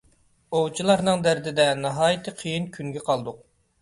ئوۋچىلارنىڭ دەردىدە ناھايىتى قىيىن كۈنگە قالدۇق.